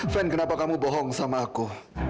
van kenapa kamu bohong sama aku